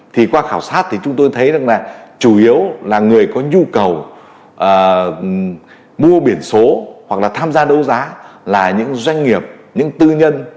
thì qua khảo sát thì chúng tôi thấy rằng là chủ yếu là người có nhu cầu mua biển số hoặc là tham gia đấu giá là những doanh nghiệp những tư nhân